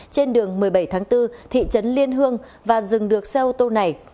trên đường một mươi bảy tháng bốn thị trấn liên hương và dừng được xe ô tô này